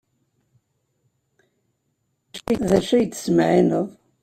D acu i d-tettmeɛɛineḍ?